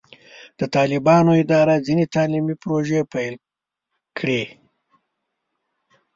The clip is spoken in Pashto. د طالبانو اداره ځینې تعلیمي پروژې پیل کړې.